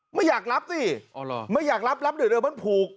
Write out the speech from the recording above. ไม่อยากรับสิอ๋อเหรอไม่อยากรับรับเดี๋ยวเดี๋ยวมันผูก